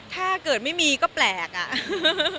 ถ้าเกิดไม่มีก็แปลกอ่ะ